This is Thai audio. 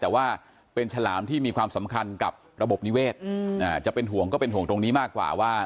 แต่ว่าเป็นฉลามที่มีความสำคัญกับระบบนิเวศจะเป็นห่วงก็เป็นห่วงตรงนี้มากกว่าว่า